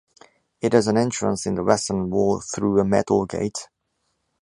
It has an entrance in the western wall through a metal gate.